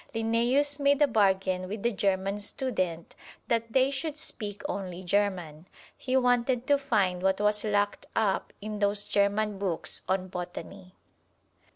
Linnæus made a bargain with the German student that they should speak only German he wanted to find what was locked up in those German books on botany.